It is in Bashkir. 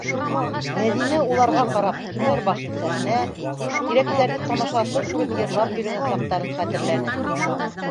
Мәҙинә уларға ҡарап түмәр башын сәхнә, тирәктәрҙе тамашасы күреп йырлап йөрөгән саҡтарын хәтерләне.